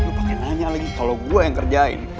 lo pake nanya lagi kalo gue yang kerjain